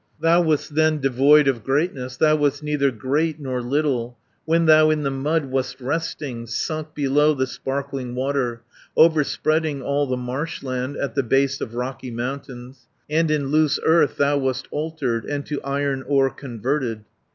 "Thou wast then devoid of greatness, Thou wast neither great nor little, When thou in the mud wast resting, Sunk below the sparkling water, 290 Overspreading all the marshland, At the base of rocky mountains, And in loose earth thou wast altered, And to iron ore converted.